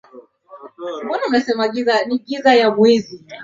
tano aliingiza sokoni albamu yake iliyokuwa ikiitwa Mac Muga na kuwapa Mamu stoo ya